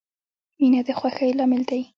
• مینه د خوښۍ لامل دی.